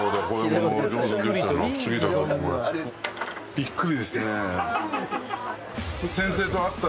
びっくりですね。